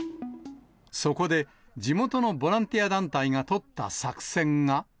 そこで地元のボランティア団体が取った作戦が。